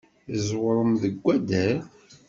Tẓewremt deg waddal?